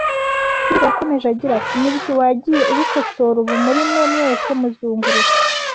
Silver yakomeje agira ati: "Nibyo, wagiye ubikosora ubu, muri mwe." “Mwese muzunguruka